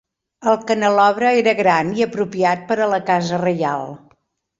El canelobre era gran i apropiat per a la casa reial.